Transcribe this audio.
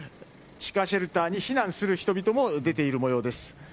地下シェルターに避難する人々も出ている模様です。